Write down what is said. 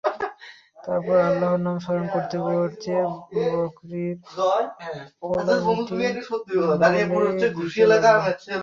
তারপর আল্লাহর নাম স্মরণ করতে করতে বকরীর ওলানটি মলে দিতে লাগল।